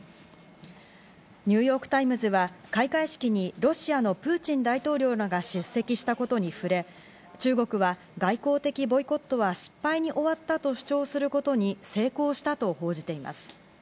ニューヨーク・タイムズは開会式にロシアのプーチン大統領らが出席したことに触れ、中国は、外交的ボイコットは失敗に終わったと主張することに成功したと報じています。